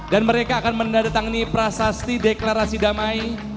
dan mereka akan menandatangani prasasti deklarasi damai